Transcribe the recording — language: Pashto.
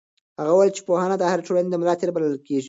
هغه وویل چې پوهنه د هرې ټولنې د ملا تیر بلل کېږي.